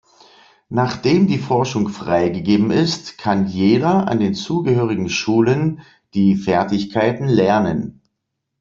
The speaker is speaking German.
Nachdem die Forschung freigegeben ist, kann jeder an den zugehörigen Schulen die Fertigkeiten lernen.